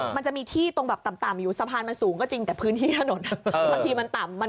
มันจะมีที่ตรงต่ำอยู่สะพานมันสูงก็จริงแต่พื้นที่ถนน